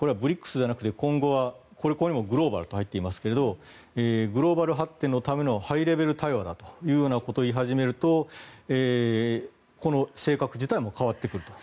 しかも、これはＢＲＩＣＳでなくグローバルと入っていますがグローバル発展のためのハイレベル対話だということを言い始めると、この性格自体も変わってくると。